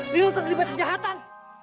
lino terlibat kejahatan